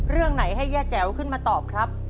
เรื่องไหนให้ย่าแจ๋วขึ้นมาตอบครับ